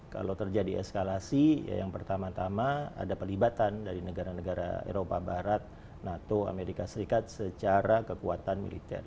kalau terjadi eskalasi yang pertama tama ada pelibatan dari negara negara eropa barat nato amerika serikat secara kekuatan militer